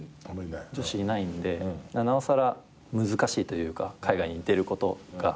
女子いないんでなおさら難しいというか海外に出ることが。